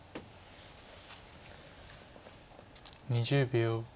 ２０秒。